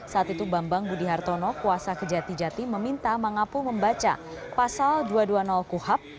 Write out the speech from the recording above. saat itu bambang budi hartono kuasa kejati jati meminta mangapu membaca pasal dua ratus dua puluh kuhap